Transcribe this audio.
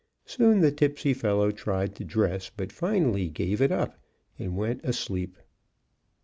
Soon the tipsy fellow tried to dress, but finally gave it up and went to sleep.